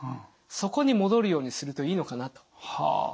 そこに戻るようにするといいのかなと。